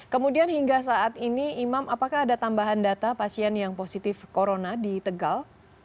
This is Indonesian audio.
kemudian hingga saat ini imam apakah ada tambahan data pasien yang positif corona di tegal